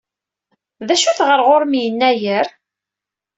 D acu-t ɣer ɣur-m Yennayer?